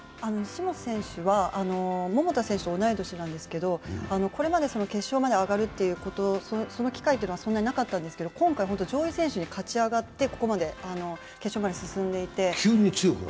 西本選手は桃田選手と同い年なんですけど、これまで決勝まで上がるということ、その機会というのがそんなになかったんですけど、今回、本当に上位選手に勝ち上がって、決勝まで進んでいて。